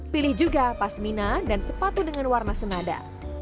pilih juga pas mina dan sepatu dengan warna senada